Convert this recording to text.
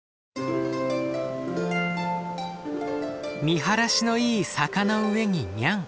見晴らしのいい坂の上にニャン。